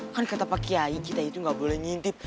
kan kata pak kiai kita itu gak boleh ngintip